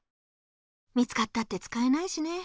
見つかったってつかえないしね。